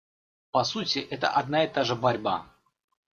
По сути, это одна и та же борьба.